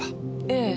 ええ。